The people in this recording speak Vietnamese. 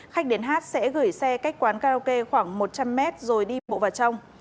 khách đến hát sẽ gửi xe cách quán karaoke khoảng một trăm linh mét rồi đi bộ vào trong